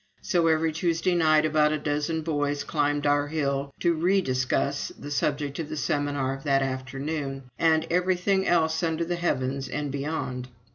So every Tuesday night about a dozen boys climbed our hill to rediscuss the subject of the seminar of that afternoon and everything else under the heavens and beyond.